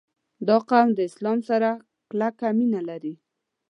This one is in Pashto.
• دا قوم د اسلام سره کلکه مینه لري.